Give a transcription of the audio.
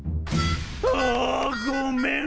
あごめん！